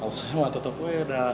kalau saya mah tetep gue udah